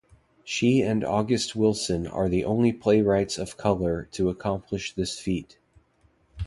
She and August Wilson are the only playwrights of color to accomplish this feat.